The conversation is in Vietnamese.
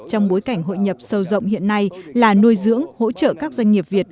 trong bối cảnh hội nhập sâu rộng hiện nay là nuôi dưỡng hỗ trợ các doanh nghiệp việt